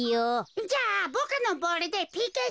じゃあボクのボールでＰＫせんしよう。